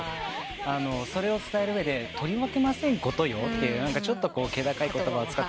それを伝える上で「取り分けませんことよ」ってちょっと気高い言葉を使ってる。